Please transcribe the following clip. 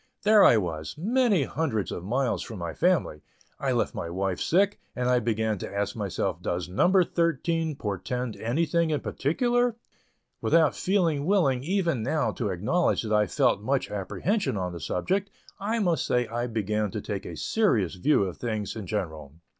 There I was, many hundreds of miles from my family; I left my wife sick, and I began to ask myself does "number thirteen" portend anything in particular? Without feeling willing even now to acknowledge that I felt much apprehension on the subject, I must say I began to take a serious view of things in general.